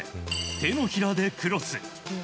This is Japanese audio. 手のひらでクロス。